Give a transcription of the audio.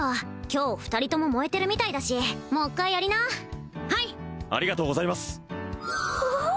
今日２人とも燃えてるみたいだしもう一回やりなはいありがとうございますおお！